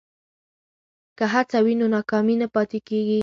که هڅه وي نو ناکامي نه پاتیږي.